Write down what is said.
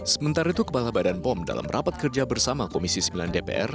sementara itu kepala badan pom dalam rapat kerja bersama komisi sembilan dpr